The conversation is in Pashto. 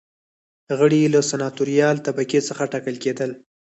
غړي یې له سناتوریال طبقې څخه ټاکل کېدل.